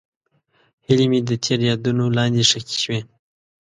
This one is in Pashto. هیلې مې د تېر یادونو لاندې ښخې شوې.